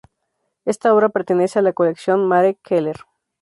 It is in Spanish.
Esta obra pertenece a la colección Marek Keller.